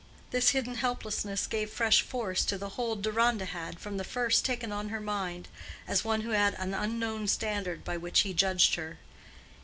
This hidden helplessness gave fresh force to the hold Deronda had from the first taken on her mind, as one who had an unknown standard by which he judged her.